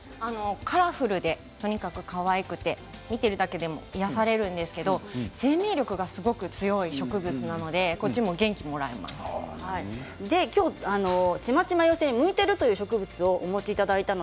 カラフルでとにかくかわいくて見ているだけで癒やされるんですけど生命力がすごく強い植物なのでちまちま寄せに向いているという植物をお持ちいただきました。